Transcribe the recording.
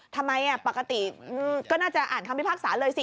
ทำไมปกติก็น่าจะอ่านคำพิพากษาเลยสิ